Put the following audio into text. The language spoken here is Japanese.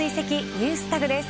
ＮｅｗｓＴａｇです。